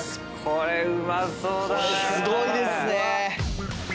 これすごいですね！